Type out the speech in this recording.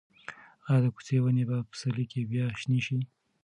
ایا د کوڅې ونې به په پسرلي کې بیا شنې شي؟